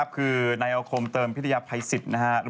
คือนายอาคมเติมพิทยาภัยสิทธิ์นะครับ